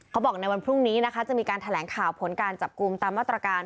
เขาบอกในวันพรุ่งนี้นะคะจะมีการแถลงข่าวผลการจับกลุ่มตามมาตรการ